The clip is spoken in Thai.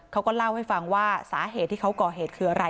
เขาก็เล่าให้ฟังว่าสาเหตุที่เขาก่อเหตุคืออะไร